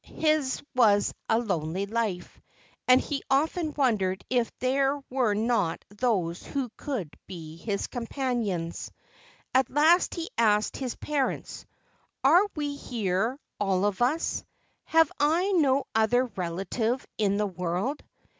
His was a lonely life, and he often wondered if there were not those who could be his companions. At last he asked his parents: "Are we here, all of us? Have I no other relative in the world?